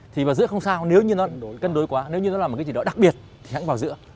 thì vào giữa không sao nếu như nó cân đối quá nếu như nó làm một cái gì đó đặc biệt thì hãy vào giữa